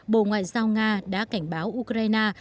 bộ ngoại giao nga đã cảnh báo ukraine